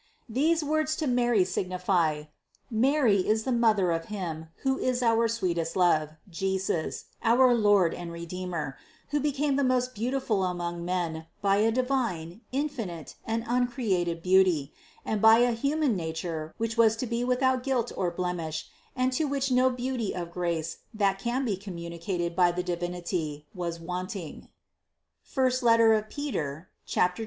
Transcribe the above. These words to Mary signify: Mary is the Mother of Him, who is our sweetest love, Jesus, our Lord and Redeemer, who became the most beautiful among men by a divine, infinite and uncreated beauty, and by a human nature which was to be without guilt or blemish and to which no beauty of grace that 404 CITY OF GOD could be communicated by the Divinity, was wanting (I Pet. 2, 22).